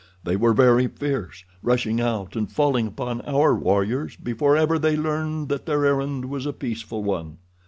They were very fierce, rushing out and falling upon our warriors before ever they learned that their errand was a peaceful one.